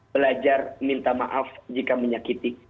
belajar minta maaf jika menyakiti